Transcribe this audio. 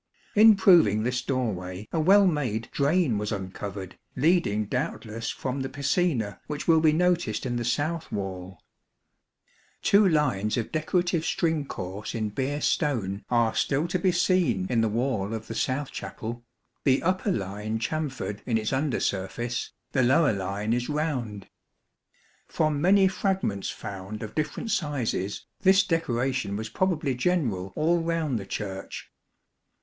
In proving this doorway, a well made drain was uncovered, leading doubtless from the piscina, which will be noticed in the south wall. 22 Two lines of decorative string course in Beer stone are still to be seen in the wall of the south chapel ; the upper line chamfered in its under surface, the lower line is round. From many fragments found of different sizes, this decora tion was probably general all round the Church.